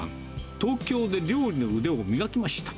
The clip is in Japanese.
東京で料理の腕を磨きました。